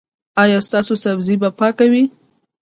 ایا ستاسو سبزي به پاکه وي؟